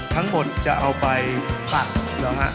ทั้งหมดจะเอาไปผัดนะฮะ